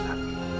salah apa dia